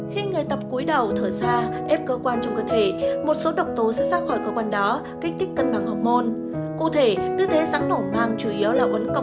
khi người tập cuối đầu thở ra ép cơ quan trong cơ thể một số độc tố sẽ ra khỏi cơ quan đó kích thích cân bằng hormôn